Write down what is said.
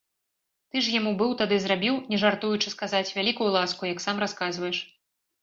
Ты ж яму быў тады зрабіў, не жартуючы сказаць, вялікую ласку, як сам расказваеш.